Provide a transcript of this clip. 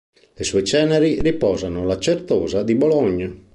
Le sue ceneri riposano alla Certosa di Bologna.